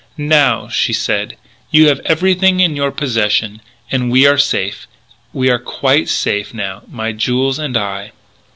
"Now," she said, "you have everything in your possession; and we are safe we are quite safe, now, my jewels and I."